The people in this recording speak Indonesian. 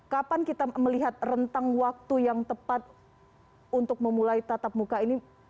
kapan kita melihat rentang waktu yang tepat untuk memulai tatap muka ini